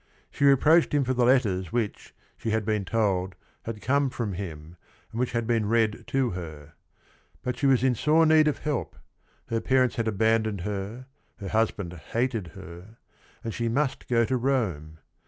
She re proached him for the letters which, she had been told, had come from him, and which had been read to her. But she was in sore need of help; her parents had abandoned her, her husband hated her, and she~^5ust go to .Rome.